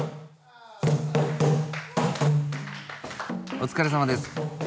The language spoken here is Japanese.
お疲れさまです。